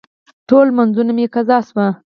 ټول لمونځونه مې قضا شوه.